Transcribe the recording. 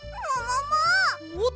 ももも！